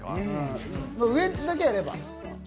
ウエンツだけやれば？